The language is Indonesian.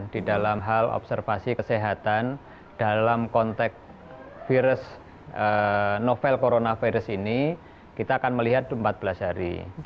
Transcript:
di dalam hal observasi kesehatan dalam konteks virus novel coronavirus ini kita akan melihat empat belas hari